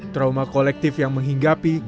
trauma kolektif yang menghinggapi